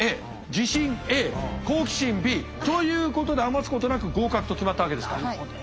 自信Ａ好奇心Ｂということで余すことなく合格と決まったわけですか。